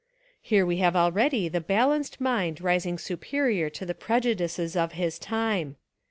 Here we have already the balanced mind rising superior to the prejudices of his time.